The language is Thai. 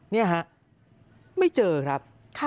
นี่ฮะไม่เจอครับ